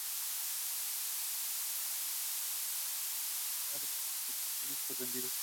Esta consagración la lograron por haber superado el millón de discos vendidos.